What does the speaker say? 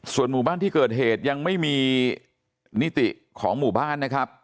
ส่วนหมู่บ้านที่เกิดเหตุยังไม่มีนิติของหมู่บ้านนะครับ